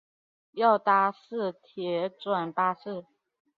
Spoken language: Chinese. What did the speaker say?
要搭市铁转巴士